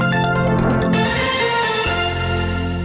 โปรดติดตามตอนต่อไป